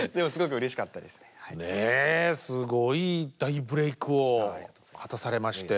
ねえすごい大ブレークを果たされまして。